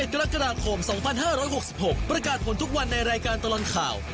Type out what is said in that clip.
กรกฎาคม๒๕๖๖ประกาศผลทุกวันในรายการตลอดข่าว